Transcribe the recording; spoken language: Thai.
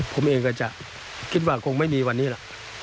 ผมเองก็จะคิดว่าคงไม่มีวันนี้หรอก